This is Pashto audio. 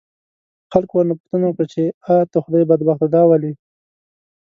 خلکو ورنه پوښتنه وکړه، چې آ د خدای بدبخته دا ولې؟